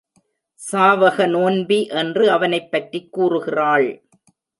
சாவக நோன்பி என்று அவனைப் பற்றிக் கூறுகிறாள்.